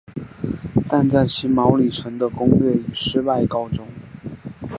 但在骑牟礼城的攻略以失败告终。